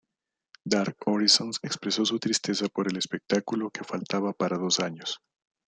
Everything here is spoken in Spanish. Dark Horizons expresó su tristeza por el espectáculo que faltaba para dos años.